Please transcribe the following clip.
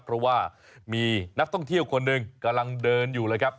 เพราะว่ามีนักท่องเที่ยวคนหนึ่งกำลังเดินอยู่เลยครับ